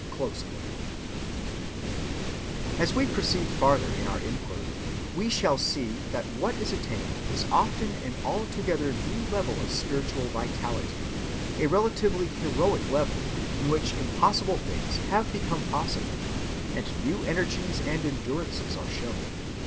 (128) As we proceed farther in our inquiry we shall see that what is attained is often an altogether new level of spiritual vitality, a relatively heroic level, in which impossible things have become possible, and new energies and endurances are shown.